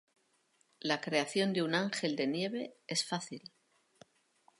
La creación de un ángel de nieve es fácil.